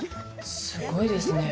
すごいですね。